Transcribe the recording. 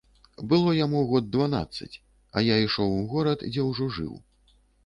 Было яму год дванаццаць, а я ішоў у горад, дзе ўжо жыў.